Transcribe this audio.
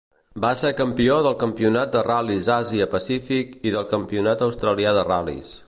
Va ser campió del Campionat de Ral·lis Àsia Pacífic i del campionat australià de ral·lis.